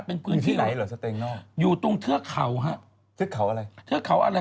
เป็นพื้นที่อยู่ตรงเทือกเขาฮะเทือกเขาอะไร